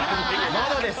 まだです。